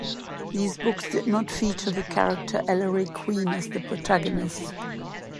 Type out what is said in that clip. These books did not feature the character Ellery Queen as the protagonist.